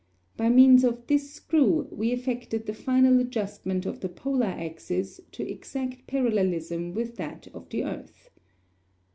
By means of this screw we effected the final adjustment of the polar axis to exact parallelism with that of the earth.